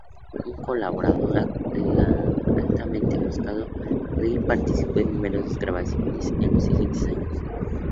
Un colaborador altamente buscado, Legend participó en numerosas grabaciones en los siguientes años.